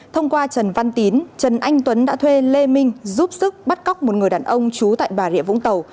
thông qua trần văn tín trần anh tuấn đã thuê lê minh giúp sức bắt cóc một người đàn ông trú tại bà rịa vũng tàu